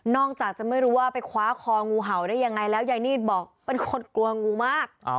จากจะไม่รู้ว่าไปคว้าคองูเห่าได้ยังไงแล้วยายนีดบอกเป็นคนกลัวงูมาก